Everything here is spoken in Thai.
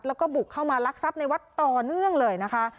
แล้วก็บุกเข้ามาลักทรัพย์ในวัดต่อเนื่องเลยนะคะ